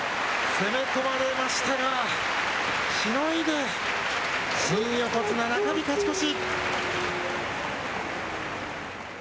攻め込まれましたが、しのいで、新横綱、中日勝ち越し。